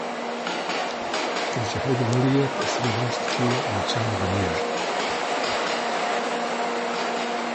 پر شهید مړي یې په سره دښت کي مچان بوڼیږي